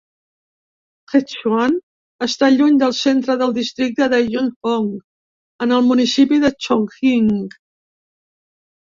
Hechuan està lluny del centre del districte de Yuzhong, en el municipi de Chongqing.